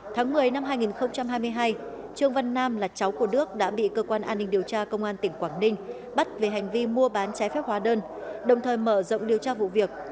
tháng một mươi năm hai nghìn hai mươi hai trương văn nam là cháu của đức đã bị cơ quan an ninh điều tra công an tỉnh quảng ninh bắt về hành vi mua bán trái phép hóa đơn đồng thời mở rộng điều tra vụ việc